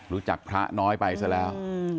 รู้จักพระน้อยไปซะแล้ว